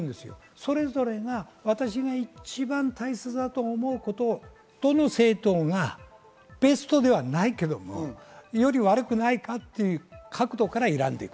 それぞれ私が一番大切だと思うことをどの政党がベストではないけれども、より悪くないかという角度から選んでいく。